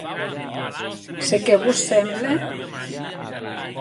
Se qué vos semble?